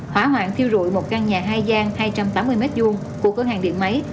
hỏa hoạn thiêu rụi một căn nhà hai gian hai trăm tám mươi m hai của cửa hàng điện máy